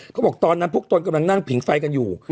เขาบอกตอนนั้นพวกตนกำลังนั่งผิงไฟกันอยู่